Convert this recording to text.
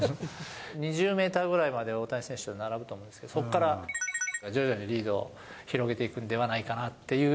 ２０メーターぐらいまで大谷選手と並ぶと思うんですけど、そこから×××が徐々にリードを広げていくんではないかなという。